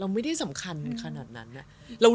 ไม่ได้สำคัญขนาดนั้น